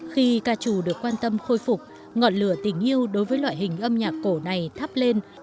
khi ca trù được quan tâm khôi phục ngọn lửa tình yêu đối với loại hình âm nhạc cổ này thắp lên